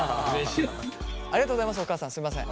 ありがとうございますお母さん。